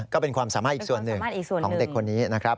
ก็เป็นความสามารถอีกส่วนหนึ่งของเด็กคนนี้นะครับ